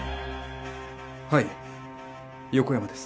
はい、横山です。